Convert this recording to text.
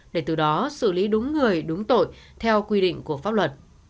để từ đó xử lý đúng người đúng tội theo quy định của pháp luật